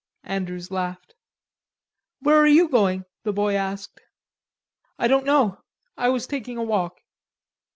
Andrews laughed. "Where are you going?" the boy asked. "I don't know. I was taking a walk."